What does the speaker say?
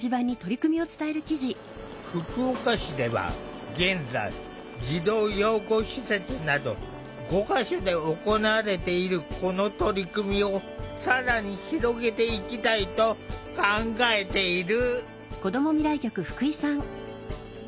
福岡市では現在児童養護施設など５か所で行われているこの取り組みを更に広げていきたいと考えている。